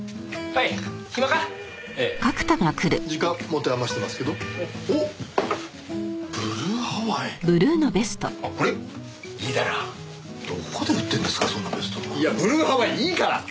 いやブルーハワイいいから！